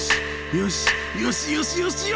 よしよしよしよし！